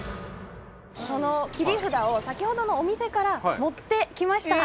その切り札を先ほどのお店から持ってきました。